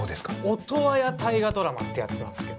オトワヤ大河ドラマってやつなんすけど。